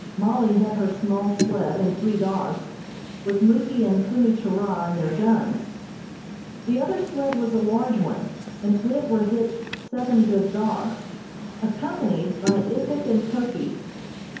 Mollie had her small sled and three dogs, with Muky and Punni Churah and their guns. The other sled was a large one, and to it were hitched seven good dogs, accompanied by Ituk and Koki.